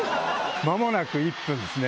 間もなく１分ですね。